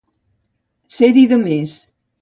Ser-hi de més.